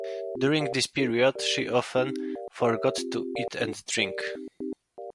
During this period, she often forgot to eat and drink.